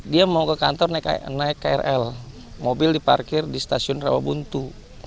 dia mau ke kantor naik krl mobil diparkir di stasiun rawabuntu